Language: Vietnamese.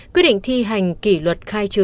quy định thi hành kỷ luật khai trừ